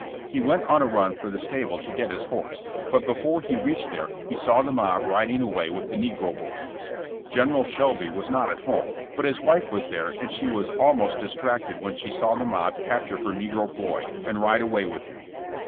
He went on a run for the stable to get his horse, but before he reached there he saw the mob riding away with the negro boy. General Shelby was not at home, but his wife was there and she was almost distracted when she saw the mob capture her negro boy and ride away with him.